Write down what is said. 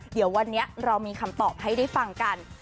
เดี๋ยววันนี้เรามีคำตอบให้ได้ฟังกัน